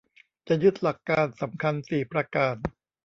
จะยึดหลักการสำคัญสี่ประการ